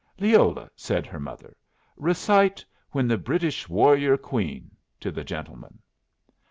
"Leola," said her mother, "recite 'When the British Warrior Queen' to the gentleman."